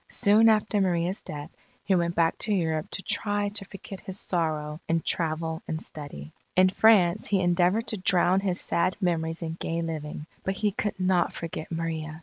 Soon after Maria's death, he went back to Europe to try to forget his sorrow in travel and study. In France he endeavoured to drown his sad memories in gay living, but he could not forget Maria.